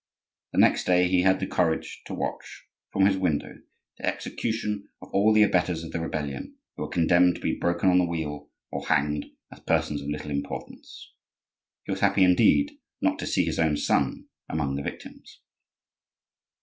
The next day he had the courage to watch, from his window, the execution of all the abettors of the rebellion who were condemned to be broken on the wheel or hanged, as persons of little importance. He was happy indeed not to see his own son among the victims.